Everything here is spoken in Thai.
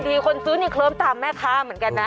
คนซื้อนี่เคลิ้มตามแม่ค้าเหมือนกันนะ